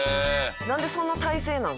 なんでそんな体勢なん？